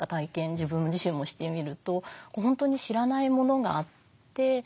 自分自身もしてみると本当に知らないものがあって。